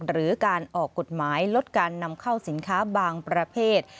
หรือการออกกฎหมายลดการนำเข้าสินค้าบางประเภท